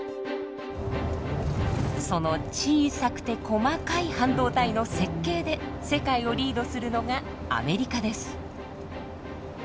その小さくて細かい半導体の設計で世界をリードするのがアメリカです。